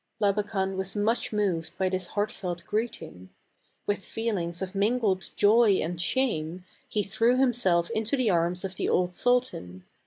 " Labakan was much moved by this heartfelt greeting. With feelings of mingled joy and THE CAB AVAN. 201 shame, he threw himself into the arms of the old sultan.